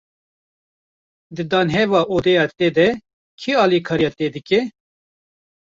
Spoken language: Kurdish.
Di danheva odeya te de, kî alîkariya te dike?